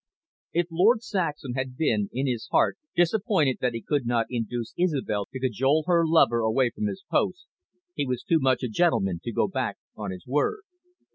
If Lord Saxham had been, in his heart, disappointed that he could not induce Isobel to cajole her lover away from his post, he was too much a gentleman to go back on his word.